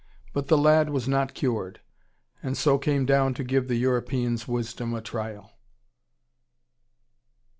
But the lad was not cured, and so came down to give the European's wisdom a trial.